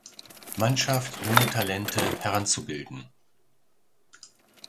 Mannschaft junge Talente heranzubilden.